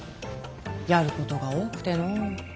やることが多くてのう。